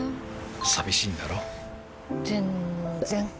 さびしいんだろ？全っ然‼